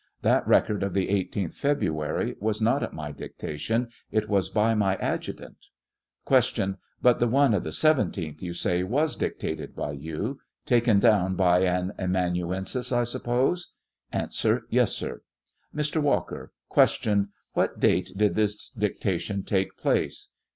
That record of the 18th February was not at my dictation ; it was by my adjutant. Q. But the one of the 17th you say was dictated by you ; taken down by an amanuensis, I suppose ? A. Tes, sir. Mr. Walker : Q. What date did this dictation take place